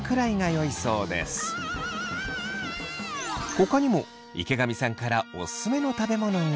ほかにも池上さんからオススメの食べ物が。